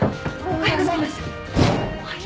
おはようございます。